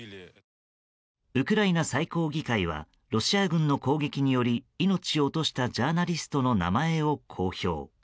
ウクライナ最高議会はロシア軍の攻撃により命を落としたジャーナリストの名前を公表。